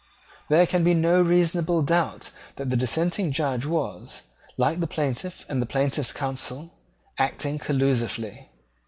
There can be no reasonable doubt that the dissenting Judge was, like the plaintiff and the plaintiff's counsel, acting collusively.